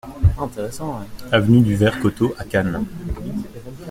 Avenue du Vert Coteau à Cannes